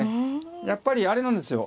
やっぱりあれなんですよ